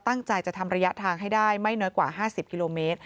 ตั้งใจจะทำระยะทางให้ได้ไม่น้อยกว่า๕๐กิโลเมตร